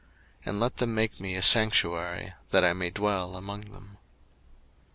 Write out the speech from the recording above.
02:025:008 And let them make me a sanctuary; that I may dwell among them.